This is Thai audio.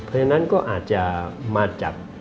เพราะฉะนั้นก็อาจจะมาจาก